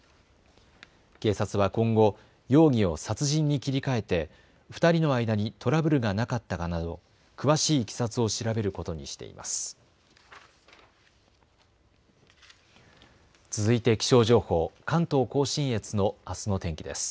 警察は今後、容疑を殺人に切り替えて２人の間にトラブルがなかったかなど詳しいいきさつを調べることにしています。